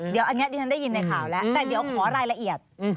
เดี๋ยวอันนี้ดิฉันได้ยินในข่าวแล้วแต่เดี๋ยวขอรายละเอียด